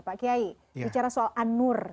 pak kiai bicara soal an nur